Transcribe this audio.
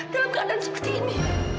dalam keadaan seperti ini